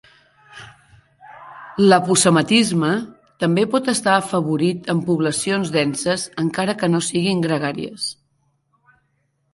L'aposematisme també pot estar afavorit en poblacions denses encara que no siguin gregàries.